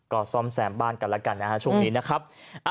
ก็ซ่อมแซมบ้านกันแล้วกันนะฮะช่วงนี้นะครับ